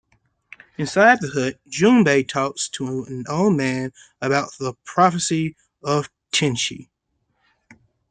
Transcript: Inside the hut, Jubei talks to an old man about the prophecy of 'Tenshi'.